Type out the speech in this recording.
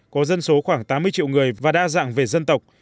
có dân số khoảng tám mươi triệu người và đa dạng về dân tộc